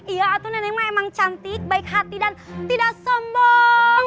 iya atuh nenek memang cantik baik hati dan tidak sombong